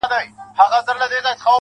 د چا ارمان چي وم، د هغه چا ارمان هم يم~